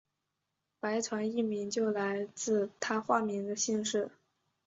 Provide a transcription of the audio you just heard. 白团一名就来自他化名的姓氏。